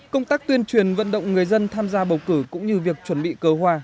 công tác tuyên truyền vận động người dân tham gia bầu cử cũng như việc chuẩn bị cơ hoa